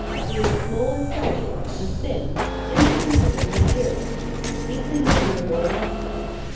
He is small in stature, and thin, insignificant in appearance, deeply miserable in aspect.